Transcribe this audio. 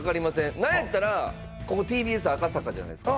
何やったらここＴＢＳ赤坂じゃないですか